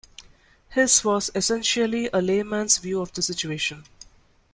His was essentially a layman's view of the situation.